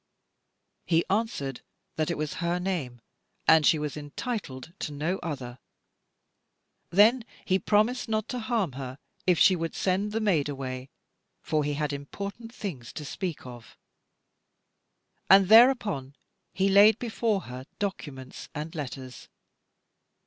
He answered that it was her name, and she was entitled to no other. Then he promised not to harm her, if she would send the maid away, for he had important things to speak of. And thereupon he laid before her documents and letters.